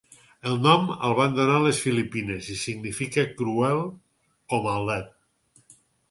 El nom el van donar les Filipines i significa cruel o maldat.